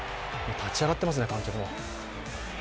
立ち上がってますね、観客も。